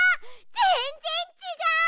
ぜんぜんちがう。